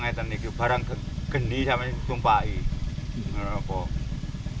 karena barang ini gede dan banyak yang ditumpukan